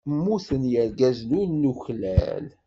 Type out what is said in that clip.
Mmuten yirgazen ur nuklal.